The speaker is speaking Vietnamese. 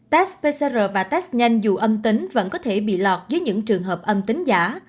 test pcr và test nhanh dù âm tính vẫn có thể bị lọt dưới những trường hợp âm tính giả